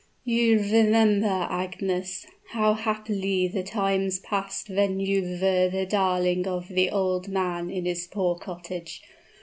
"You remember, Agnes, how happily the times passed when you were the darling of the old man in his poor cottage.